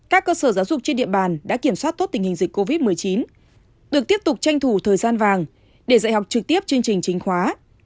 các cơ sở giáo dục trên địa bàn đã kiểm soát tốt tình hình dịch covid một mươi chín được tiếp tục tranh thủ thời gian vàng để dạy học trực tiếp chương trình chính khóa